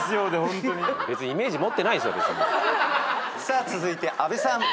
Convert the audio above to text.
さあ続いて阿部さん。